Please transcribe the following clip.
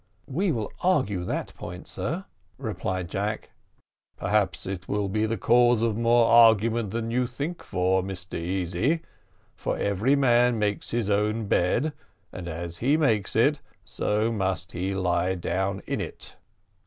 "We will argue that point, sir," replied Jack. "Perhaps it will be the cause of more argument than you think for, Mr Easy; but every man makes his own bed, and as he makes it, so must he lie down in it."